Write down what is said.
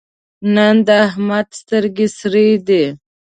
نن د احمد سترګې سرې دي.